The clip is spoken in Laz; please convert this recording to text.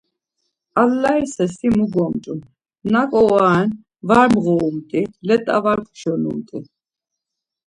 Allaise si mu gomç̌un, naǩo ora ren var mğorumt̆i, let̆a var puşonumt̆i.